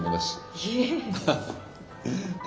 いえ。